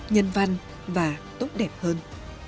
nhân văn và tốt đẹp hơn